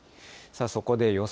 そこで予想